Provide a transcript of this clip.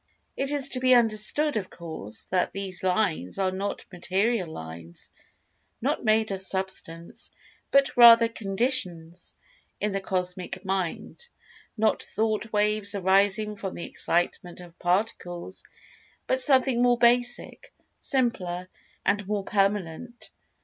It is to be understood, of course, that these "lines" are not material lines—not made of Substance—but rather, "conditions" in the Cosmic Mind. Not Thought waves arising from the Excitement of Particles, but Something more basic, simpler, and more permanent.